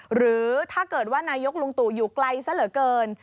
หรือถ้าเกิดว่านายกลุงตู่อยู่ไกลซะเหลือเกิน